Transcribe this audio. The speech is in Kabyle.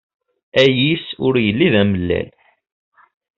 Ayis, ur yelli d amellal.